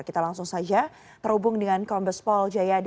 kita langsung saja terhubung dengan kombes pol jayadi